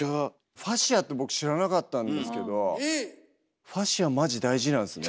ファシアって僕知らなかったんですけどファシアマジ大事なんすね。